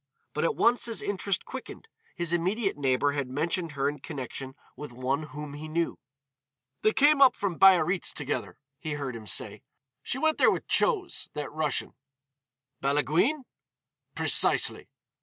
But at once his interest quickened; his immediate neighbor had mentioned her in connection with one whom he knew. "They came up from Biarritz together," he heard him say. "She went there with Chose, that Russian." "Balaguine?" "Precisely."